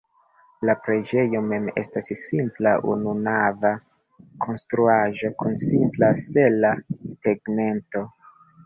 La preĝejo mem estas simpla ununava konstruaĵo kun simpla sela tegmento.